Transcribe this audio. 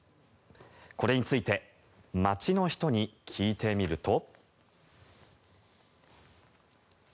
これについて街の人に聞いてみると。